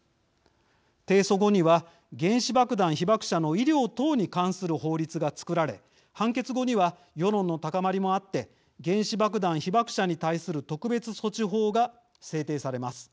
提訴後には原子爆弾被爆者の医療等に関する法律が作られ判決後には世論の高まりもあって原子爆弾被爆者に対する特別措置法が制定されます。